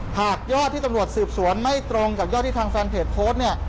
หากยอดที่ตำรวจสืบสวนไม่ตรงกับยอดที่ทางแฟนเพจโพสต์เนี่ย